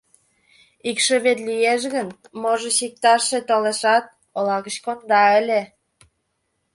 Икшывет лиеш гын, можыч, иктажше толешат, ола гыч конда ыле...